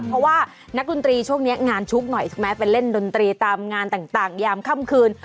เพราะว่านักดนตรีช่วงนี้งานชุกหน่อยถูกไหมไปเล่นดนตรีตามงานต่างยามค่ำคืน